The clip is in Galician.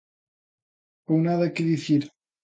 ¿Ou nada que dicir?